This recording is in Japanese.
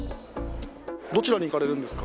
どちらに行かれるんですか？